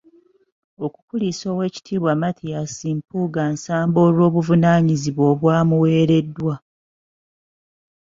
Okukulisa Oweekitibwa Mathias Mpuuga Nsamba olw’obuvunaanyizibwa obwamuweereddwa .